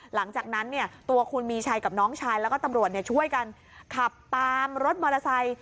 หลังจากนั้นตัวคุณมีชัยกับน้องชายแล้วก็ตำรวจช่วยกันขับตามรถมอเตอร์ไซค์